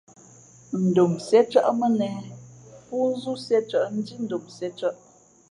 Ndom sīēcάʼ mά nehē póózú sīēcάʼ Ndhí ndom sīēcᾱʼ.